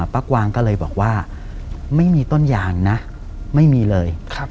กวางก็เลยบอกว่าไม่มีต้นยางนะไม่มีเลย